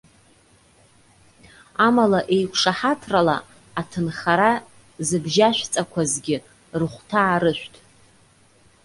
Амала еиқәшаҳаҭрала аҭынхара зыбжьашәҵақәазгьы рыхәҭаа рышәҭ.